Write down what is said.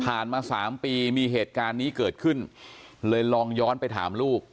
มา๓ปีมีเหตุการณ์นี้เกิดขึ้นเลยลองย้อนไปถามลูก